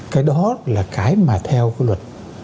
cái đó là cái mà theo cái luật